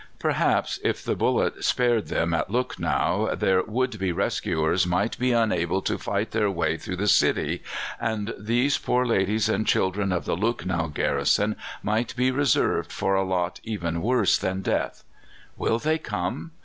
Perhaps, if the bullet spared them at Lucknow their would be rescuers might be unable to fight their way through the city, and these poor ladies and children of the Lucknow garrison might be reserved for a lot even worse than death. "Will they come?